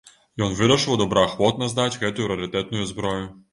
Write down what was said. Ён вырашыў добраахвотна здаць гэтую рарытэтную зброю.